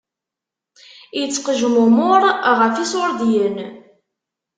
Ittqejmumuṛ ɣef iṣuṛdiyen.